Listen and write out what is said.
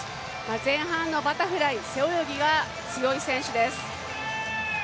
前半のバタフライ背泳ぎが強い選手です。